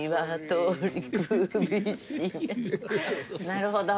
なるほど。